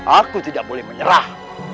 aku tidak boleh menyerah